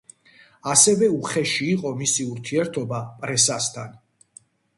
ასევე უხეში იყო მისი ურთიერთობა პრესასთან.